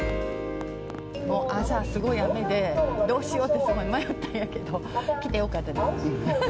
朝、すごい雨で、どうしようってすごい迷ったんやけど、来てよかったです。